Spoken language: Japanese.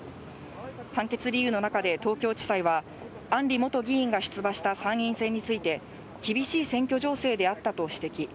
判決理由の中で、東京地裁は、案里元議員が出馬した参院選について、厳しい選挙情勢であったと指摘。